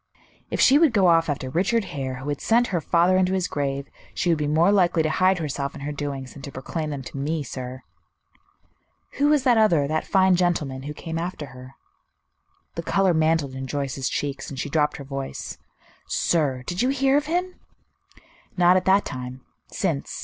"If she would go off after Richard Hare, who had sent her father into his grave, she would be more likely to hide herself and her doings than to proclaim them to me, sir." "Who was that other, that fine gentleman, who came after her?" The color mantled in Joyce's cheeks, and she dropped her voice. "Sir! Did you hear of him?" "Not at that time. Since.